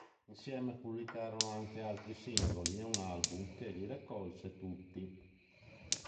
Insieme pubblicarono anche altri singoli e un album, che li raccolse tutti.